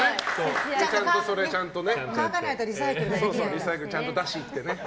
リサイクルちゃんと出してね。